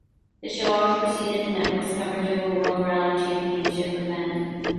The show always preceded the network's coverage of a World Rally Championship event.